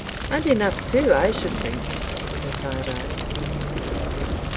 "And enough, too, I should think," replied I.